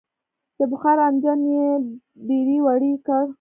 د بخار انجن یې دړې وړې کړ.